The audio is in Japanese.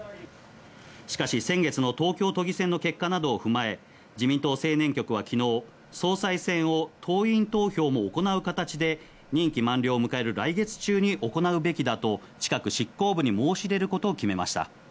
しかし、先月の東京都議選の結果などを踏まえ、自民党青年局は昨日、総裁選を党員投票も行う形で任期満了を迎える来月中に行うべきだと近く執行部に申し入れることを決めました。